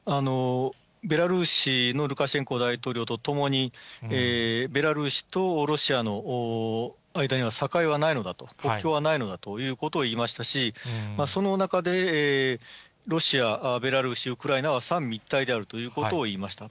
ベラルーシのルカシェンコ大統領と共に、ベラルーシとロシアの間には、境はないのだと、国境はないのだということを言いましたし、その中で、ロシア、ベラルーシ、ウクライナは三位一体であるということを言いました。